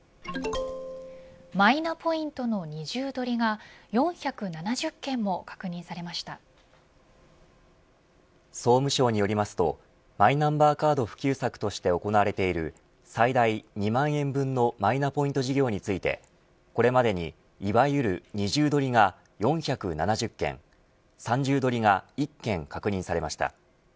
マイナポイントの二重取りが総務省によりますとマイナンバーカード普及策として行われている最大２万円分のマイナポイント事業についてこれまでに、いわゆる二重取りが４７０件三重取りが１件確認されました。